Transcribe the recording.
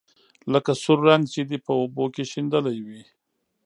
لکه سور رنګ چې دې په اوبو کې شېندلى وي.